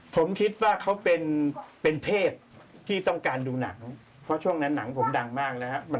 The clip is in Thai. ผมคิดว่าเขาเป็นเพศที่ต้องการดูหนังเพราะช่วงนั้นหนังผมดังมากนะครับ